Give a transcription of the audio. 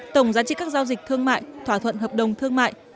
tổng giá trị các giao dịch thương mại thỏa thuận hợp đồng thương mại